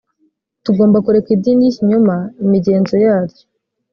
tugomba kureka idini ry ikinyoma imigenzo yaryo